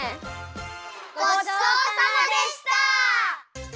ごちそうさまでした！